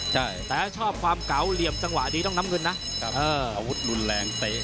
แต่ถ้าชอบความเก๋าเหลี่ยมจังหวะดีต้องน้ำเงินนะอาวุธรุนแรงเตะ